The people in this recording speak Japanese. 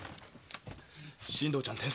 進藤ちゃん天才。